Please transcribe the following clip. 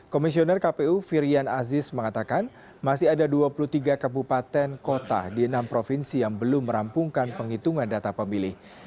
komisioner kpu firian aziz mengatakan masih ada dua puluh tiga kabupaten kota di enam provinsi yang belum merampungkan penghitungan data pemilih